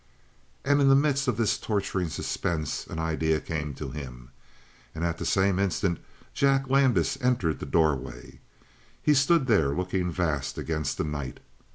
And in the midst of this torturing suspense an idea came to him, and at the same instant Jack Landis entered the doorway. He stood there looking vast against the night.